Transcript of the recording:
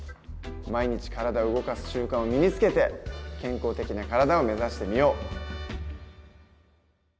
毎日体を動かす習慣を身につけて健康的な体を目指してみよう。